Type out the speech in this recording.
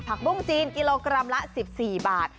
บุ้งจีนกิโลกรัมละ๑๔บาท